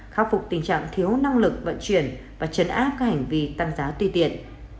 khắc phục tình trạng thiếu năng lực vận chuyển và chấn áp các hành vi tăng giá tuy tiện